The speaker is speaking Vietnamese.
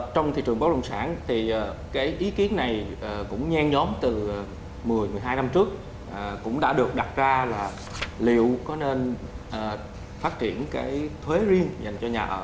trong thị trường bất đồng sản thì cái ý kiến này cũng nhen nhóm từ một mươi một mươi hai năm trước cũng đã được đặt ra là liệu có nên phát triển cái thuế riêng dành cho nhà ở